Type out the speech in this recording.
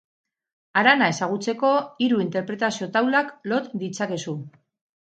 Harana ezagutzeko, hiru interpretazio taulak lot ditzakezu.